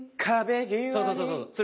そうそうそうそうそう。